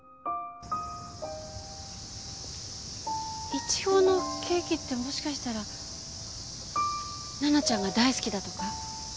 いちごのケーキってもしかしたら奈々ちゃんが大好きだとか？